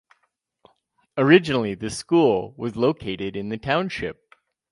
Originally this school was located in the township.